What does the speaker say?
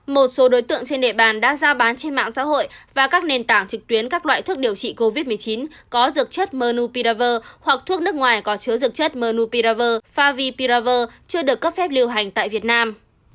một số đối tượng trên đề bàn đã ra bán trên mạng xã hội và các nền tảng trực tuyến các loại thuốc điều trị covid một mươi chín có dược chất mnupiravir hoặc thuốc nước ngoài có chứa dược chất mnupiravir favipiravir chưa được cấp phép điều hành tại việt nam